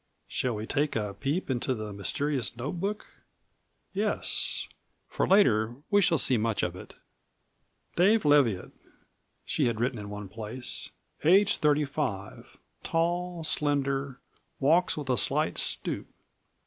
Shall we take a peep into that mysterious note book? Yes, for later we shall see much of it. "Dave Leviatt," she had written in one place. "Age thirty five. Tall, slender; walks with a slight stoop.